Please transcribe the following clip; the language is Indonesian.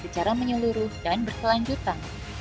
secara menyeluruh dan berkelanjutan